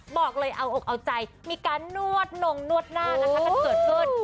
บอกเลยเอาอกเอาใจมีการนวดหนงนวดหน้านะครับ